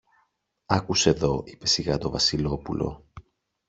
Άκουσε δω, είπε σιγά το Βασιλόπουλο